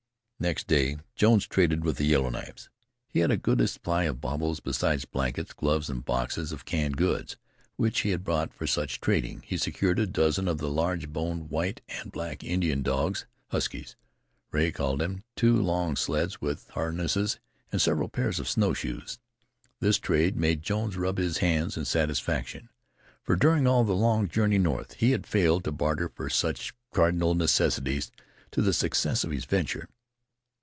Next day Jones traded with the Yellow Knives. He had a goodly supply of baubles, besides blankets, gloves and boxes of canned goods, which he had brought for such trading. He secured a dozen of the large boned, white and black Indian dogs, huskies, Rea called them two long sleds with harness and several pairs of snowshoes. This trade made Jones rub his hands in satisfaction, for during all the long journey north he had failed to barter for such cardinal necessities to the success of his venture.